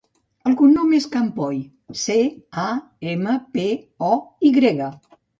El cognom és Campoy: ce, a, ema, pe, o, i grega.